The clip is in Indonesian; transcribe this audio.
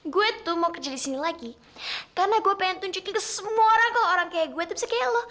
gue tuh mau kerja di sini lagi karena gue pengen tunjukin ke semua orang kalau orang kayak gue tuh bisa kelo